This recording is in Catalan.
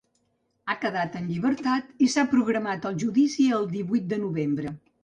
Ha quedat en llibertat i s’ha programat el judici el divuit de novembre.